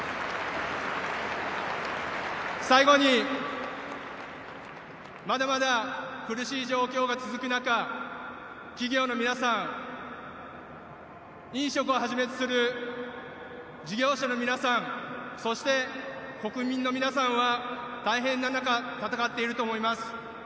最後に、まだまだ苦しい状況が続く中企業の皆さん、飲食をはじめとする事業者の皆さんそして国民の皆さんは、大変な中闘っていると思います。